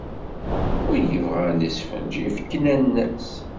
Wi ibɣan lesfenǧ, yefk nanna-s.